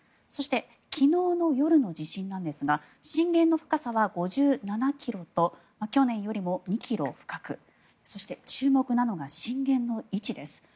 そして、昨日の夜の地震ですが震源の深さは５７ｋｍと去年よりも２ｋｍ深くそして、注目なのが震源の位置です。